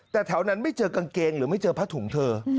แต่แถวนั้นไม่เจอกางเกงหรือพะถุงเธอ